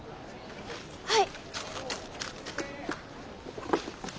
はい。